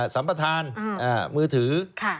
สัมผัสธาณมือถือ